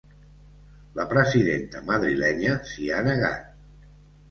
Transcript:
La presidenta madrilenya s’hi ha negat.